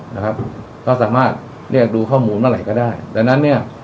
นะครับก็สามารถเรียกดูข้อมูลเมื่อไหร่ก็ได้ดังนั้นเนี่ย